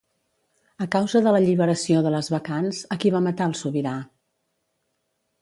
A causa de l'alliberació de les bacants, a qui va matar el sobirà?